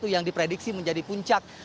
yang diprediksi menjadi puncak